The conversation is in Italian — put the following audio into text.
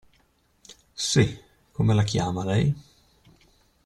Sì, come la chiama, lei?